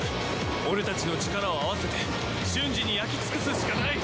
俺たちの力を合わせて瞬時に焼き尽くすしかない！